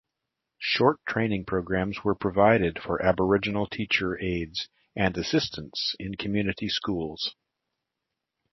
Short training programs were provided for Aboriginal teacher aides and assistants in community schools.